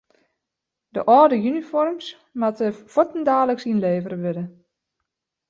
De âlde unifoarms moatte fuortdaliks ynlevere wurde.